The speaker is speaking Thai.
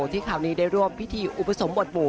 ที่คราวนี้ได้ร่วมพิธีอุปสมบทบู่